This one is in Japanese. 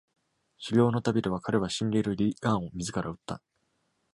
狩猟の旅では、彼は死んでいるリ・ガンを自ら撃った。